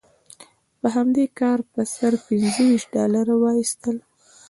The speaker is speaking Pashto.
په همدې کار یې پر سر پنځه ویشت ډالره واخیستل.